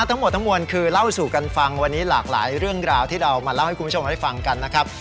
ทั้งหมดทั้งมวลคือเล่าสู่กันฟังวันนี้หลากหลายเรื่องราวที่เรามาเล่าให้คุณผู้ชมได้ฟังกันนะครับ